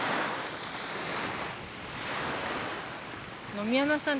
野見山さん